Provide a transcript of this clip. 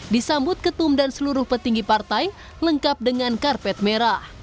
disambut ketum dan seluruh petinggi partai lengkap dengan karpet merah